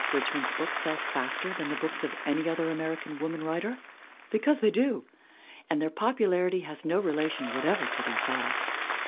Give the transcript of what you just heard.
Richmond's books sell faster than the books of any other Amer ican woman writer ? Because they do ! And their popularity has no relation whatever to their size.